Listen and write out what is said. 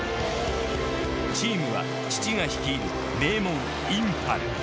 チームは父が率いる名門インパル。